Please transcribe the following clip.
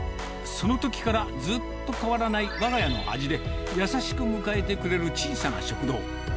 そのときからずっと変わらないわが家の味で、優しく迎えてくれる小さな食堂。